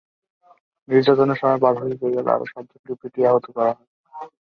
নির্যাতনের সময় বাধা দিতে গেলে আরও সাতজনকে পিটিয়ে আহত করা হয়।